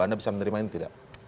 anda bisa menerima ini tidak